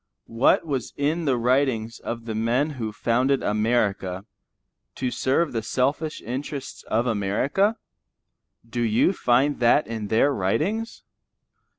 What was in the writings of the men who founded America, to serve the selfish interests of America? Do you find that in their writings?